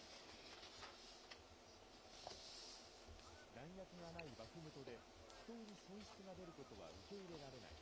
弾薬がないバフムトで、不当に損失が出ることは受け入れられない。